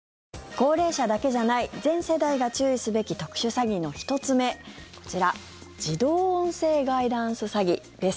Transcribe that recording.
高齢者だけじゃない全世代が注意すべき特殊詐欺の１つ目こちら自動音声ガイダンス詐欺です。